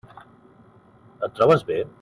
Et trobes bé?